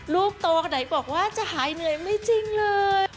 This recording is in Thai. ลูกโตขนาดไหนบอกว่าจะหายเหนื่อยไม่จริงเลย